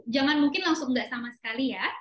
jangan mungkin langsung gak sama sekali ya